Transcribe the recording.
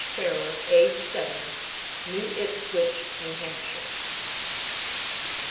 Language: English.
Farrar, aged seven, New Ipswich, New Hampshire.)